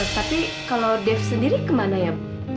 tapi kalau dev sendiri kemana ya